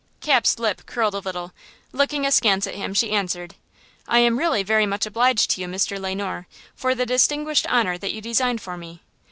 Cap's lip curled a little; looking askance at him she answered: "I am really very much obliged to you Mr. Le Noir, for the distinguished honor that you designed for me.